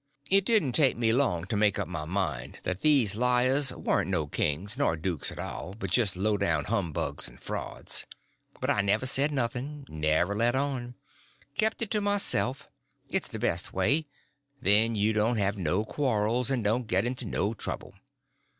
It didn't take me long to make up my mind that these liars warn't no kings nor dukes at all, but just low down humbugs and frauds. But I never said nothing, never let on; kept it to myself; it's the best way; then you don't have no quarrels, and don't get into no trouble.